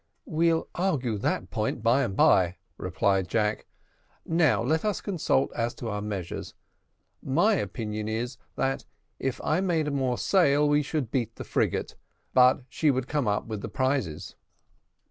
"We'll argue that point by and bye," replied Jack; "now let us consult as to our measures. My opinion is, that if I made more sail we should beat the frigate, but she would come up with the prizes."